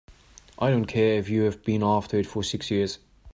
I don't care if you've been after it for six years!